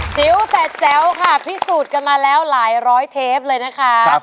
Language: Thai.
จิ๋วแต่แจ๋วค่ะพิสูจน์กันมาแล้วหลายร้อยเทปเลยนะคะ